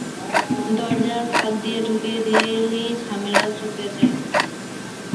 দরজার ফাঁক দিয়ে ঢুকিয়ে দিলেই ঝামেলা চুকে যায়।